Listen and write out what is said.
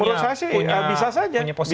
menurut saya sih bisa saja